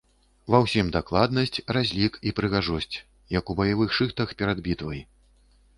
Ва ўсім дакладнасць, разлік і прыгажосць - як у баявых шыхтах перад бітвай.